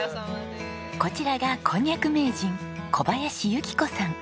こちらがこんにゃく名人小林由喜子さん。